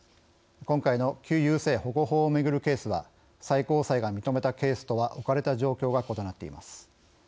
今回の旧優生保護法をめぐるケースは最高裁が認めたケースとは置かれた状況が異なっています。